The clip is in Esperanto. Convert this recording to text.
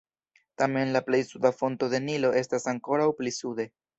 Tamen la plej suda fonto de Nilo estas ankoraŭ pli sude.